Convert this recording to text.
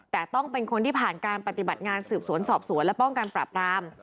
แต่ต้องเป็นคนที่ผ่านการปฏิบัติงานสืบสวนสอบสวนและป้องกันปราบราม